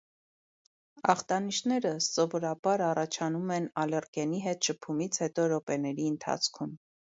Ախտանիշները սովովորաբար առաջանում են ալերգենի հետ շփումից հետո րոպեների ընթացքում։